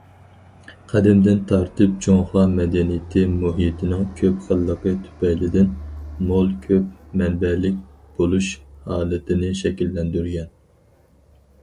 قەدىمدىن تارتىپ، جۇڭخۇا مەدەنىيىتى مۇھىتنىڭ كۆپ خىللىقى تۈپەيلىدىن مول، كۆپ مەنبەلىك بولۇش ھالىتىنى شەكىللەندۈرگەن.